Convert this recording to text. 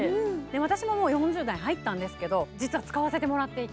私も４０代に入ったんですけど、実は使わせていただいていて。